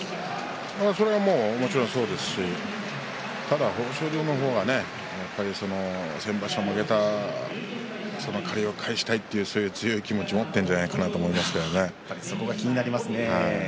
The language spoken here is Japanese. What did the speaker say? それはもうもちろんそうですしただ豊昇龍の方が先場所負けた借りを返したいという強い気持ちを持っているんそこが気になりますね。